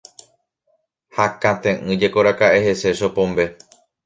Hakate'ỹjekoraka'e hese Chopombe.